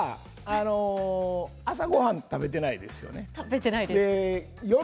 朝ごはんは食べていないですよね？